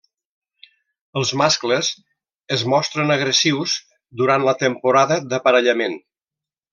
Els mascles es mostren agressius durant la temporada d'aparellament.